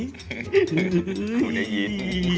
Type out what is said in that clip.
กูได้ยิน